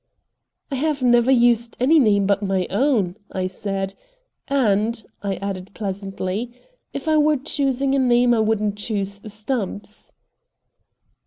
"I have never used any name but my own," I said; "and," I added pleasantly, "if I were choosing a name I wouldn't choose 'Stumps.